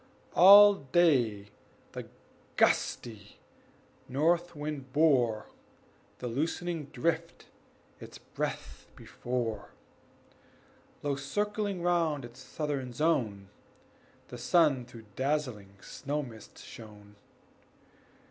All day the gusty north wind bore The loosening drift its breath before; Low circling round its southern zone, The sun through dazzling snow mist shone.